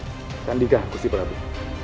jangan dikah gusti prabu